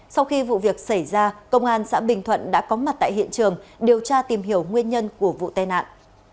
sau khi vụ việc xảy ra công an xã bình thuận đã có mặt tại hiện trường điều tra tìm hiểu nguyên nhân của vụ tai nạn